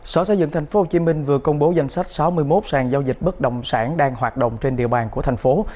sở xây dựng tp hcm vừa công bố danh sách sáu mươi một sàn giao dịch bất động sản đang hoạt động trên địa bàn của thành phố